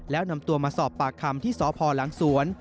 แล้วนำตัวมาสอบปากคำที่สพหลังสวน